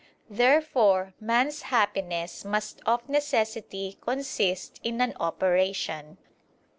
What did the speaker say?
Therefore man's happiness must of necessity consist in an operation.